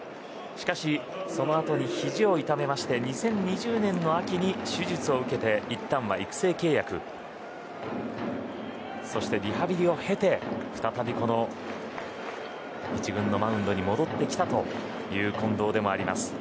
しかし、そのあとひじを痛めて２０２０年の秋に手術を受けていったんは育成契約そしてリハビリを経て再び１軍のマウンドに戻ってきたという近藤です。